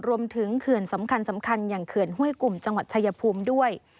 เขื่อนสำคัญสำคัญอย่างเขื่อนห้วยกลุ่มจังหวัดชายภูมิด้วย